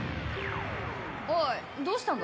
おいどうしたんだ？